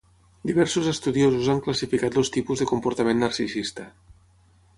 Diversos estudiosos han classificat els tipus de comportament narcisista.